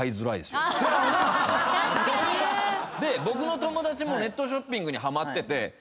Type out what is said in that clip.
僕の友達もネットショッピングにハマってて。